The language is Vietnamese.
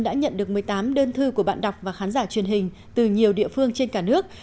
đã nhận được một mươi tám đơn thư của bạn đọc và khán giả truyền hình từ nhiều địa phương trên cả nước